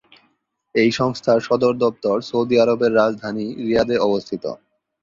এই সংস্থার সদর দপ্তর সৌদি আরবের রাজধানী রিয়াদে অবস্থিত।